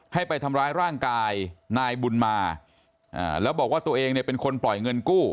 ให้ไปทำร้ายร่างกายนายบุญมาแล้วบอกว่าตัวเองเนี่ยเป็นคนปล่อยเงินกู้